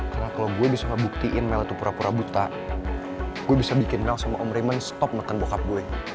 karena kalau gue bisa ngebuktiin mel itu pura pura buta gue bisa bikin mel sama om reman stop neken bokap gue